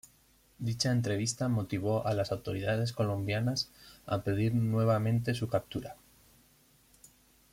Dicha entrevista motivó a las autoridades colombianas a pedir nuevamente su captura.